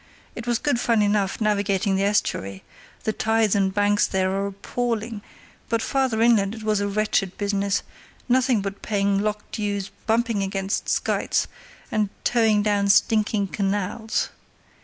It was good fun enough navigating the estuary—the tides and banks there are appalling—but farther inland it was a wretched business, nothing but paying lock dues, bumping against schuyts, and towing down stinking canals.